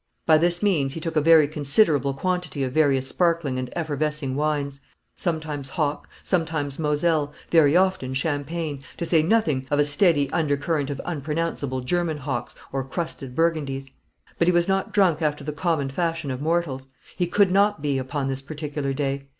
By this means he took a very considerable quantity of various sparkling and effervescing wines; sometimes hock, sometimes Moselle, very often champagne, to say nothing of a steady undercurrent of unpronounceable German hocks and crusted Burgundies. But he was not drunk after the common fashion of mortals; he could not be upon this particular day.